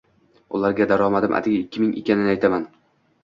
Ularga daromadim atigi ikki ming ekanini aytaman.